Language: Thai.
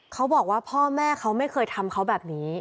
เขาบอกว่าพ่อแม่เขาไม่เคยทำเขาแบบนี้